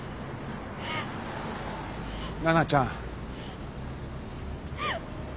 奈々ちゃん。